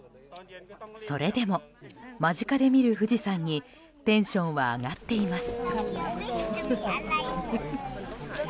それでも、間近で見る富士山にテンションは上がっています。